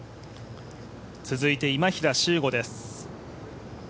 続いて今平周吾です。